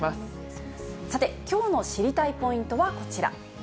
さて、きょうの知りたいポイントはこちら。